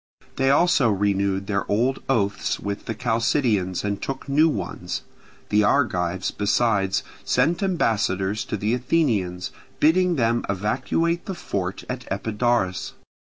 They also renewed their old oaths with the Chalcidians and took new ones: the Argives, besides, sent ambassadors to the Athenians, bidding them evacuate the fort at Epidaurus.